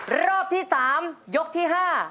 รอบที่๓ยกที่๕